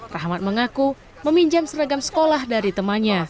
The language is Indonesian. rahmat mengaku meminjam seragam sekolah dari temannya